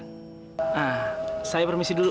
nah saya permisi dulu